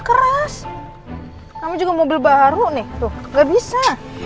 keras kamu juga mobil baru nih tuh nggak bisa